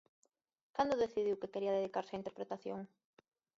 Cando decidiu que quería dedicarse á interpretación?